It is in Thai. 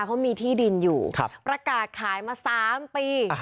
เขามีที่ดินอยู่ประกาศขายมา๓ปี